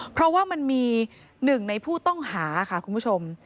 เพราะว่ามันมีหนึ่งในผู้ต้องหาค่ะคุณผู้ชม